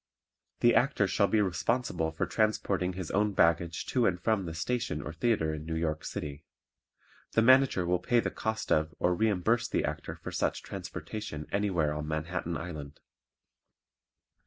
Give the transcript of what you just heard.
The Actor shall be responsible for transporting his own baggage to and from the station or theatre in New York City. The Manager will pay the cost of or reimburse the Actor for such transportation anywhere on Manhattan Island.